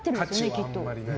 きっと。